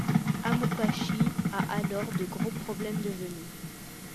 Amokachi a alors de gros problèmes de genou.